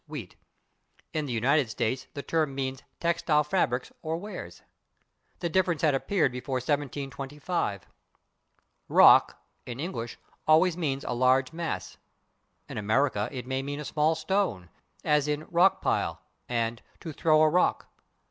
wheat); in the United States the term means "textile fabrics or wares." The difference had appeared before 1725. /Rock/, in English, always means a large mass; in America it may mean a small stone, as in /rock pile/ and /to throw a rock